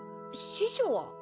師匠は？